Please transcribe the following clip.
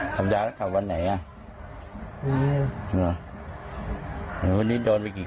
บ้านนี้